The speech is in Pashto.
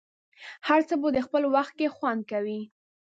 هر څه په خپل وخت کې خوند کوي.